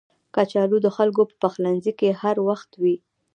کچالو د خلکو په پخلنځي کې هر وخت وي